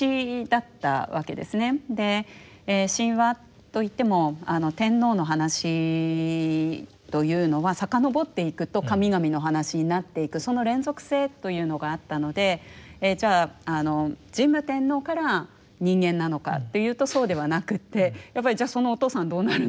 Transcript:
神話といっても天皇の話というのは遡っていくと神々の話になっていくその連続性というのがあったのでじゃあ神武天皇から人間なのかというとそうではなくってやっぱりじゃあそのお父さんはどうなるんだ